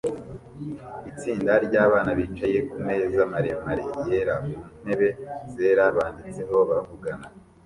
Itsinda ryabana bicaye kumeza maremare yera mu ntebe zera banditseho bavugana